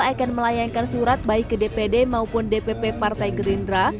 akan melayangkan surat baik ke dpd maupun dpp partai gerindra